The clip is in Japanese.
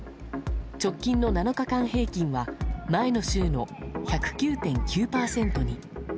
直近の７日間平均は前の週の１０９．９％に。